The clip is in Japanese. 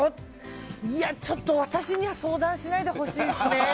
ちょっと私には相談しないでほしいですね。